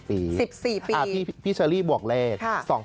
พี่เชอรี่บวกเลข